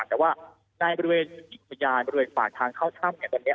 แต่ว่าในบริเวณสัตว์ประแยนในประเภทฟากทางเข้าท่ำ